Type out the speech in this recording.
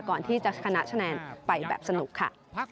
ก่อนที่จะชนะคะแนนไปแบบสนุกค่ะ